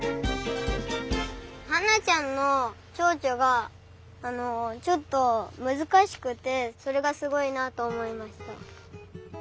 ハンナちゃんのチョウチョがちょっとむずかしくてそれがすごいなとおもいました。